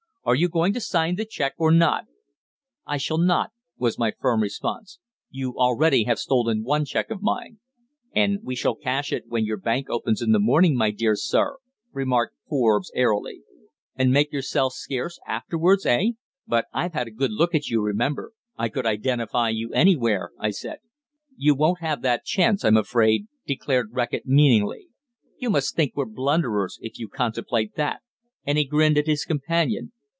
Are you going to sign the cheque, or not?" "I shall not," was my firm response. "You already have stolen one cheque of mine." "And we shall cash it when your bank opens in the morning, my dear sir," remarked Forbes airily. "And make yourselves scarce afterwards, eh? But I've had a good look at you, remember; I could identify you anywhere," I said. "You won't have that chance, I'm afraid," declared Reckitt meaningly. "You must think we're blunderers, if you contemplate that!" and he grinned at his companion.